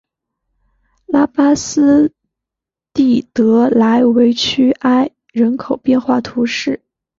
拉巴斯蒂德莱韦屈埃人口变化图示